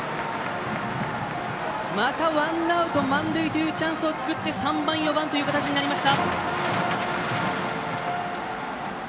またワンアウト、満塁というチャンスを作って３番、４番という形になりました。